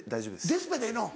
デスペでええの。